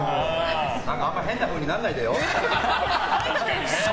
あんま変なふうにならないでよ？